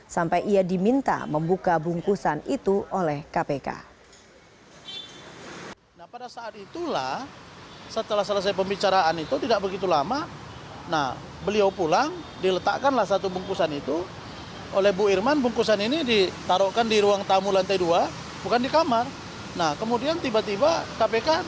sampai ia diminta membuka bungkusan itu oleh kpk